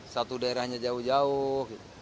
satu daerahnya jauh jauh